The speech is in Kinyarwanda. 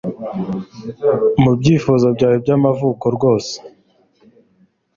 mubyifuzo byawe byamavuko rwose